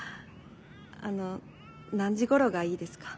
あの何時ごろがいいですか？